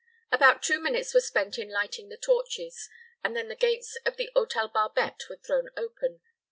About two minutes were spent in lighting the torches, and then the gates of the Hôtel Barbette were thrown open.